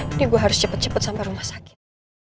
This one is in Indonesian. ini gue harus cepet cepet sampai rumah sakit